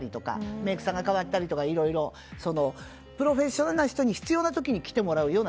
メイクさんが変わったりいろいろプロフェッショナルな人に必要な時に来てもらうような